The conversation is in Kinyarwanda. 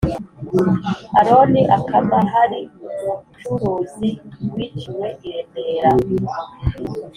aroni akamahari, umucuruzi, wiciwe i remera